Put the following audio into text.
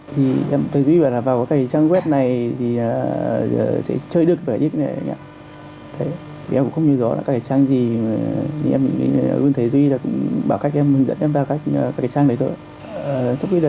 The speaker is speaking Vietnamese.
thì em thấy duy bảo là vào các trang web này thì sẽ chơi được cái gì đó